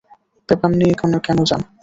Paper নিয়ে কেনো যান!